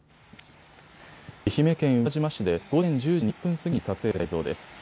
愛媛県宇和島市で午前１０時２０分過ぎに撮影された映像です。